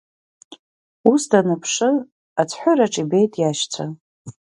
Ус данԥшы ацәҳәыраҿы ибеит иашьцәа.